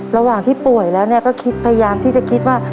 ระหว่างที่ป่วยแล้วก็คิดพยายามที่จะคิดว่า